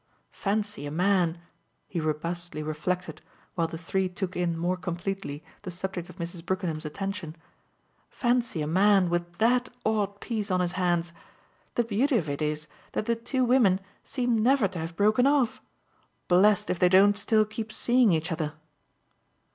Fancy a man," he robustly reflected while the three took in more completely the subject of Mrs. Brookenham's attention "fancy a man with THAT odd piece on his hands! The beauty of it is that the two women seem never to have broken off. Blest if they don't still keep seeing each other!"